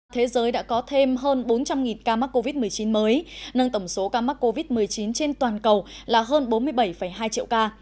thế giới đã có thêm hơn bốn trăm linh ca mắc covid một mươi chín mới nâng tổng số ca mắc covid một mươi chín trên toàn cầu là hơn bốn mươi bảy hai triệu ca